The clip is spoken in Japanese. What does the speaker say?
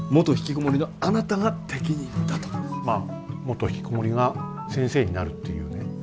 まあ元ひきこもりが先生になるっていうね